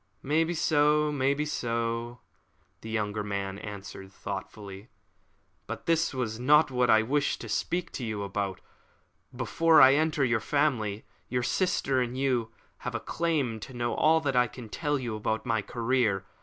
"Maybe so, maybe so," the younger man answered thoughtfully. "But this was not what I wished to speak to you about. Before I enter your family, your sister and you have a claim to know all that I can tell you about my career.